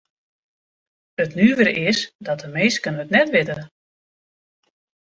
It nuvere is dat de minsken it net witte.